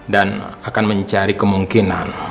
dan akan mencari kemungkinan